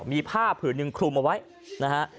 มีผ้าผืนหนึ่งคลุมเอาไว้นะฮะ